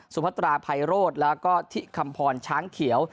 พัตราภัยโรธแล้วก็ทิคำพรช้างเขียว